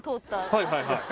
はいはいはい。